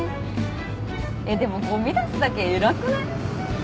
えっでもごみ出すだけ偉くない？